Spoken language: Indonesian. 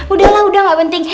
udahlah udah gak penting